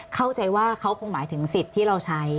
เข้าใจว่าเขาคงหมายถึง๑๐บาทที่ใช้